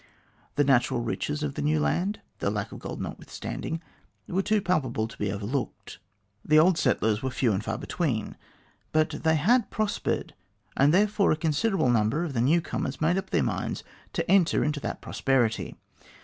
The natural riches of the new land the lack of gold notwithstanding were too palpable to be overlooked. The old settlers were few and far between, but they had prospered, and therefore a considerable number of the new comers made up their minds to enter into that prosperity.